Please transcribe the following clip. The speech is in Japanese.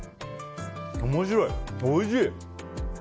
面白い、おいしい。